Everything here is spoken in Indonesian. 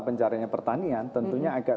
pencahariannya pertanian tentunya agak